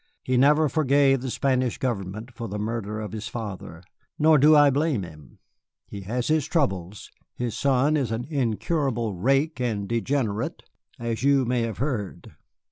He never forgave the Spanish government for the murder of his father, nor do I blame him. He has his troubles. His son is an incurable rake and degenerate, as you may have heard."